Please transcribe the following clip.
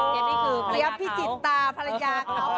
เจี๊ยบพิจิตราภรรณาเขา